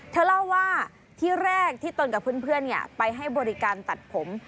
เธอเล่าว่าที่แรกที่ตนกับเพื่อนไปให้บริการตัดผม